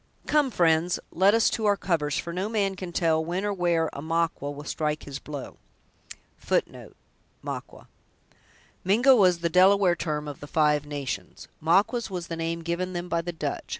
Come, friends: let us to our covers, for no man can tell when or where a Maqua will strike his blow." Mingo was the Delaware term of the Five Nations. Maquas was the name given them by the Dutch.